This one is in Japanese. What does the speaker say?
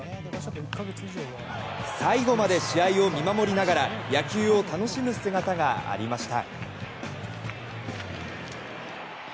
最後まで試合を見守りながら野球を楽しむ姿がありました。